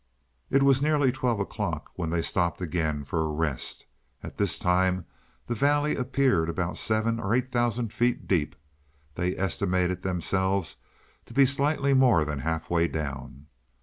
It was nearly twelve o'clock when they stopped again for rest. At this time the valley appeared about seven or eight thousand feet deep: they estimated themselves to be slightly more than half way down.